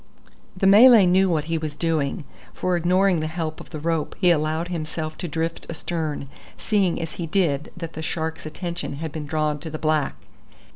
The Malay knew what he was doing, for ignoring the help of the rope he allowed himself to drift astern, seeing as he did that the shark's attention had been drawn to the black.